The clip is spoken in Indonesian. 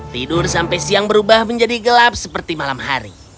tidur sampai siang berubah menjadi gelap seperti malam hari